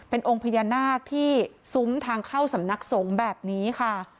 เป็นองค์พญานาคที่ซุ้มทางเข้าสำนักสงฆ์แบบนี้ค่ะ